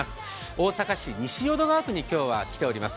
大阪市西淀川区に今日は来ております。